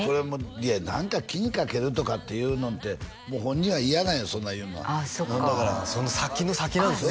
いや何か気にかけるとかっていうのってもう本人は嫌なんやそんなん言うのはああそっかその先の先なんですね